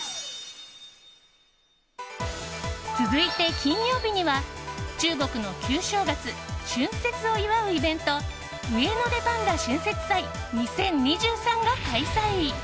続いて、金曜日には中国の旧正月・春節を祝うイベントウエノデ．パンダ春節祭２０２３が開催。